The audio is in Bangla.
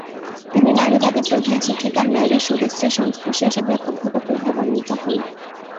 তিনি নারীবাদী প্রধানশিক্ষিকা ম্যারি সোভেস্ত্রে'র সংস্পর্শে এসে ব্যাপকভাবে প্রভাবান্বিত হন।